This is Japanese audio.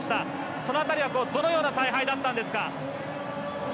その辺りはどのような采配だったんですか？